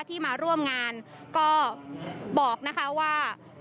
ที่มาร่วมงานก็บอกนะคะว่า